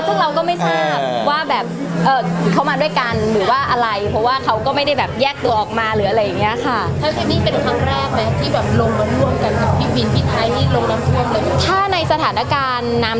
ซึ่งเราก็ไม่ทราบว่าแบบเขามาด้วยกันหรือว่าอะไรเพราะว่าเขาก็ไม่ได้แบบแยกตัวออกมาหรืออะไรอย่างเงี้ยค่ะ